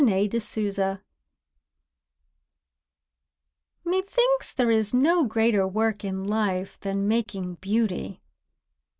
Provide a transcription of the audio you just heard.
BEAUTY MAKING Methinks there is no greater work in life Than making beauty.